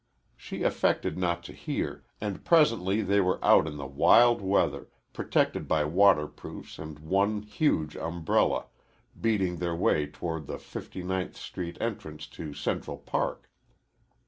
She affected not to hear, and presently they were out in the wild weather, protected by waterproofs and one huge umbrella, beating their way toward the Fifty ninth Street entrance to Central Park.